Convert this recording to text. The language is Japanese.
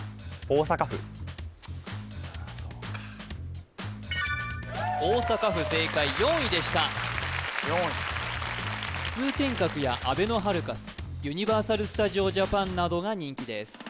まあそうか大阪府正解４位でした通天閣やあべのハルカスユニバーサル・スタジオ・ジャパンなどが人気です